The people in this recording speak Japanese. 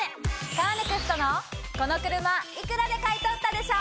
カーネクストのこの車幾らで買い取ったでしょ！